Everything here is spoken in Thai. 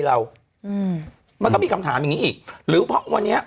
เราอืมมันก็มีคำถามอย่างงี้อีกหรือเพราะวันนี้